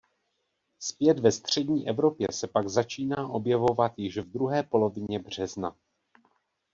Zpět ve střední Evropě se pak začíná objevovat již v druhé polovině března.